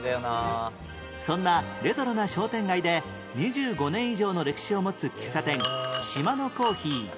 そんなレトロな商店街で２５年以上の歴史を持つ喫茶店